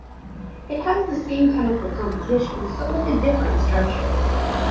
It has the same chemical composition, but with a different structure.